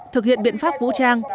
thực hiện biện pháp vũ trang